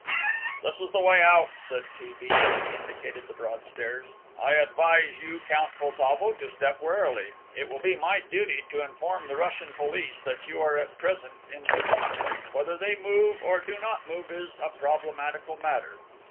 "This is the way out," said T. B., as he indicated the broad stairs. "I advise you, Count Poltavo, to step warily. It will be my duty to inform the Russian police that you are at present in this country. Whether they move or do not move is a problematical matter.